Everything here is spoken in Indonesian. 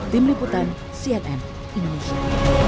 tim liputan cnn indonesia